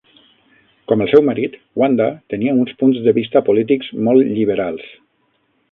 Com el seu marit, Wanda tenia uns punts de vista polítics molt lliberals.